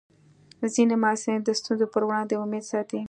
ځینې محصلین د ستونزو پر وړاندې امید ساتي.